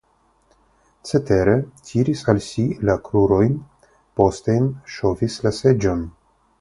Cetere, tiris al si la krurojn, posten ŝovis la seĝon.